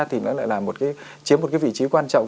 thì nó lại là một cái chiếm một cái vị trí quan trọng